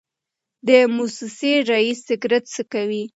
د موسسې رییس سګرټ څکوي.